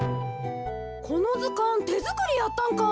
このずかんてづくりやったんか。